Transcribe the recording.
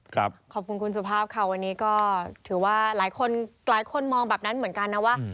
คุณสุภาพค่ะวันนี้ก็ถือว่าหลายคนมองแบบนั้นเหมือนกันนะว่า